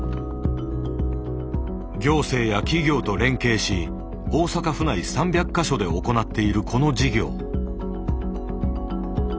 行政や企業と連携し大阪府内３００か所で行っているこの事業。